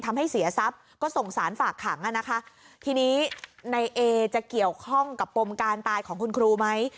ทำให้เสียทรัพย์ก็ส่งสารฝากขังอ่ะนะคะทีนี้ในเอจะเกี่ยวข้องกับปมการตายของคุณครูไหม